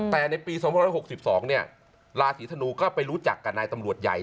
แต่ในปี๒๖๒ราศีธนูก็ไปรู้จักกับนายตำรวจใหญ่